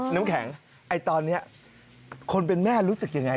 น้ำแข็งตอนนี้คนเป็นแม่รู้สึกยังไง